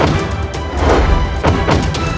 ah yang hebat